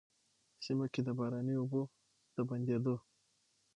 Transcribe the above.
سيمه کي د باراني اوبو د بندېدو،